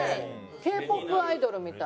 Ｋ−ＰＯＰアイドルみたい。